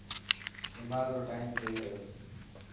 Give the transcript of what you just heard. نماز رو ٽائيم ٿي گيو.